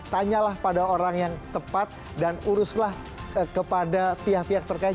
tanyalah pada orang yang tepat dan uruslah kepada pihak pihak terkait